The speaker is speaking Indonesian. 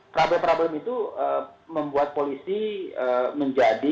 problem problem itu membuat polisi menjadi